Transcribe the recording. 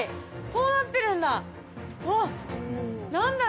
こうなってるんだ。